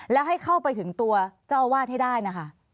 แล้วให้เข้าไปถึงตัวเจ้าอาวาสให้ได้นะคะ